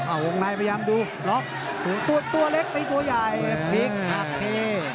เอาวงในพยายามดูล็อกส่วนตัวตัวเล็กตีตัวใหญ่พลิกหักเท